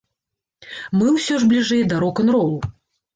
Мы ўсё ж бліжэй да рок-н-ролу.